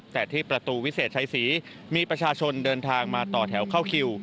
แต่ที่ประตูวิเศษชัยศรีมีประชาชนเดินทางมาต่อแถวเข้าคิว